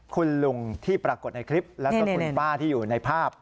คุณลุงที่ปรากฏในคลิปแล้วก็คุณป้าที่อยู่ในภาพ